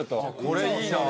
これいいなあ。